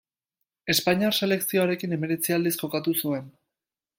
Espainiar selekzioarekin hemeretzi aldiz jokatu zuen.